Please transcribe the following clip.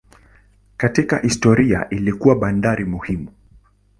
Katika historia ilikuwa bandari muhimu.